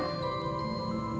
ibu sama bapak becengek